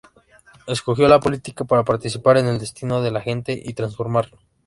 Escogió la política, "para participar en el destino de la gente y transformarlo".